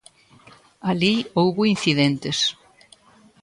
Alí houbo incidentes.